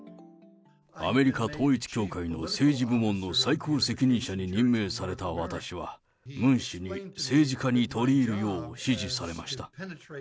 アメリカ統一教会の政治部門の最高責任者に任命された私は、ムン氏に政治家に取り入るよう指示されました。